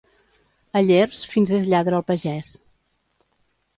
A Llers fins és lladre el pagès.